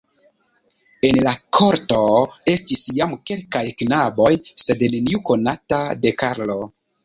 En la korto estis jam kelkaj knaboj, sed neniu konata de Karlo.